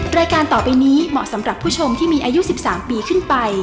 รายการต่อไปนี้เหมาะสำหรับผู้ชมที่มีอายุ๑๓ปีขึ้นไป